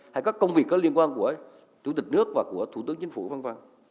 hay các công việc có liên quan của chủ tịch nước và của thủ tướng chính phủ văn văn